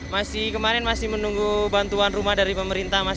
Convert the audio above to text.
masih kemarin masih menunggu bantuan rumah dari pemerintah mas